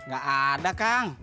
gak ada kang